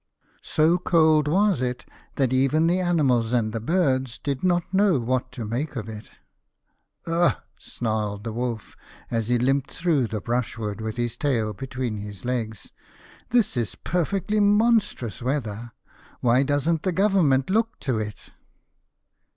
So cold was it that even the animals and the birds did not know what to make of it. " Ugh !" snarled the s 129 A House of Pomegranates. Wolf, as he limped through the brushwood with his tail between his legs, " this is per fectly monstrous weather. Why doesn't the Government look to it